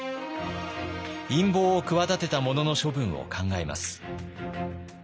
陰謀を企てた者の処分を考えます。